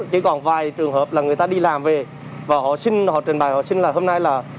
chỉ còn vài trường hợp là người ta đi làm về và họ xin họ trình bày họ xin là hôm nay là